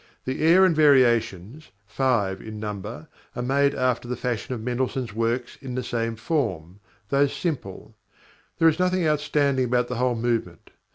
The air and variations, five in number, are made after the fashion of Mendelssohn's works in the same form, though simple. There is nothing outstanding about the whole movement.